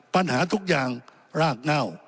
ปัญหาทุกอย่างรากเง่า